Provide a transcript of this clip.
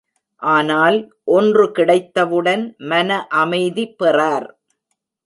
ஆனால், ஒன்று கிடைத்தவுடன் மன அமைதி பெறார்.